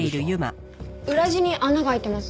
裏地に穴が開いてます。